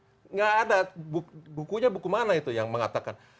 tidak ada bukunya buku mana itu yang mengatakan